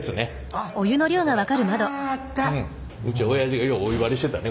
ああった！